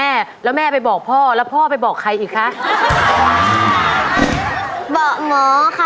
เอาไปใช้หนี้ให้พ่อค่ะ